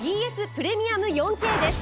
プレミアム４Ｋです。